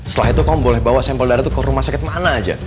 setelah itu kamu boleh bawa sampel darah itu ke rumah sakit mana aja